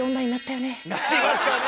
なりましたね。